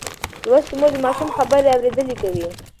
لوستې مور د ماشوم خبرې اورېدلي کوي.